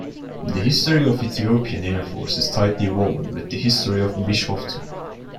The history of the Ethiopian airforce is tightly woven with the history of Bishoftu.